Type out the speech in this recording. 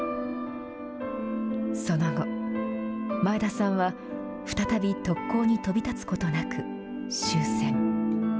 その後、前田さんは再び特攻に飛び立つことなく、終戦。